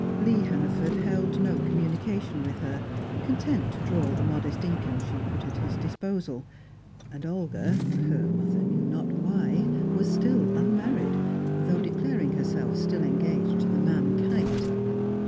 Lee Hannaford held no communication with her, content to draw the modest income she put at his disposal, and Olga, her mother knew not why, was still unmarried, though declaring herself still engaged to the man Kite.